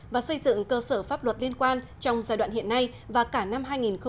và xây dựng cơ sở pháp luật liên quan trong giai đoạn hiện nay và cả năm hai nghìn hai mươi